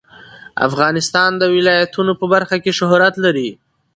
افغانستان د ولایتونو په برخه کې شهرت لري.